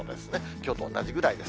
きょうと同じぐらいです。